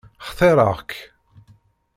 Xtareɣ-k.